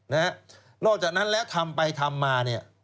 นอกจากนั้นแล้วทำไปทำมาเนี่ย